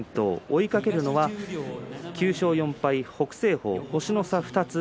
追いかけるのは９勝４敗北青鵬、星の差２つ。